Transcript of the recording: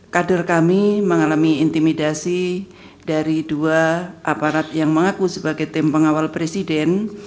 kader kami mengalami intimidasi dari dua aparat yang mengaku sebagai tim pengawal presiden